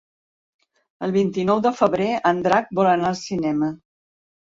El vint-i-nou de febrer en Drac vol anar al cinema.